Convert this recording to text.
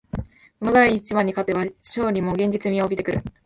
この大一番に勝てば優勝も現実味を帯びてくる